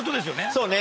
そうね。